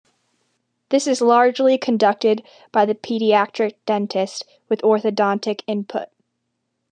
This is largely conducted by the paediatric dentist with orthodontic input.